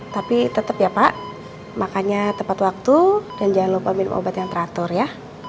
tapi tetap ya pak makanya tepat waktu dan jangan lupa minum obat yang teratur ya